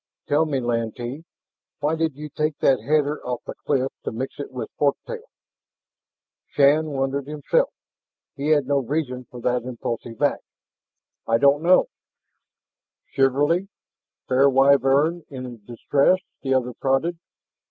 Tell me, Lantee, why did you take that header off the cliff to mix it with fork tail?" Shann wondered himself. He had no reason for that impulsive act. "I don't know " "Chivalry? Fair Wyvern in distress?" the other prodded.